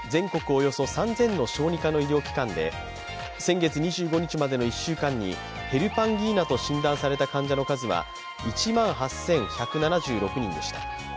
およそ３０００の小児科の医療機関で先月２５日までの１週間にヘルパンギーナと診断された患者の数は１万８１７６人でした。